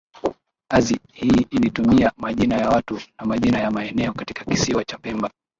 azi hii ilitumia majina ya watu na majina ya maeneo katika kisiwa cha Pemba